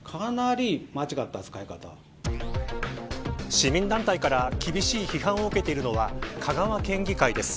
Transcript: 市民団体から厳しい批判を受けているのは香川県議会です。